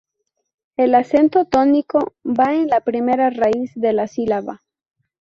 El acento tónico va en la primera raíz de la sílaba.